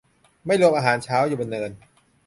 ไม่รวมอาหารเช้า อยู่บนเนิน